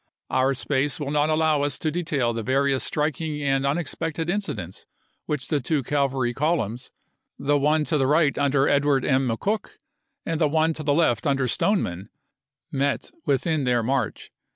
Our space will not ism. allow us to detail the various striking and unex pected incidents which the two cavalry columns, the one to the right under Edward M. McCook and the one to the left under Stoneman, met with in their march.